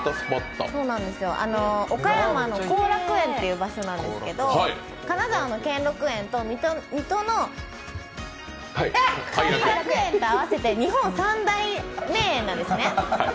岡山の後楽園という場所なんですけど、金沢の兼六園と水戸の偕楽園と併せて日本三大名園なんですね。